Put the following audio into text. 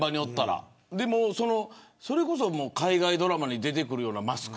それこそ海外ドラマに出てくるようなマスク